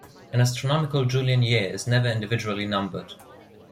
An astronomical Julian year is never individually numbered.